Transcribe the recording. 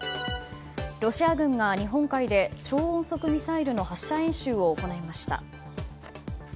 ロシア軍が、日本海で超音速ミサイルの発射演習を行いました。